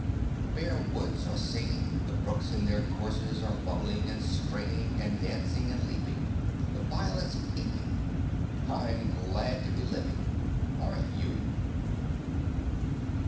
The bare woods are singing, The brooks in their courses Are bubbling and springing And dancing and leaping, The violets peeping. I'm glad to be living: Aren't you?